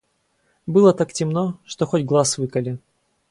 Было так темно, что хоть глаз выколи.